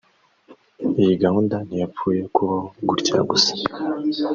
iyi gahunda ntiyapfuye kubaho gutya gusa